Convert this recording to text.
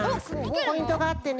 ポイントがあってね